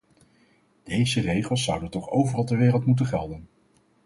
Deze regels zouden toch overal ter wereld moeten gelden.